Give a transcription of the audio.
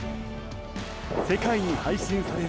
世界に配信される